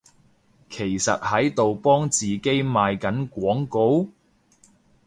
其實喺度幫自己賣緊廣告？